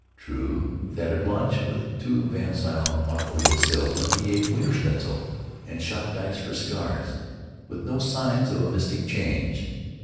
True that at lunch with two VanZile automobile salesmen he ate Wiener Schnitzel and shot dice for cigars, with no signs of a mystic change.